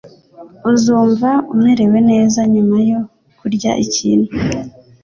Uzumva umerewe neza nyuma yo kurya ikintu.